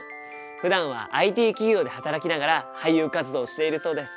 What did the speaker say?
ふだんはＩＴ企業で働きながら俳優活動をしているそうです。